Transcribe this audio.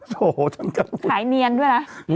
โหฉันกะบุก